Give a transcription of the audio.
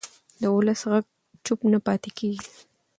د ولس غږ چوپ نه پاتې کېږي